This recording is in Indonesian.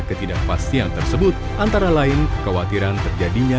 ketidakpastian tersebut antara lain kekhawatiran terjadinya